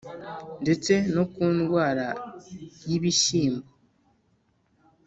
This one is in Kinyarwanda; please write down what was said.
ndetse no ku ndwara y’ibishyimbo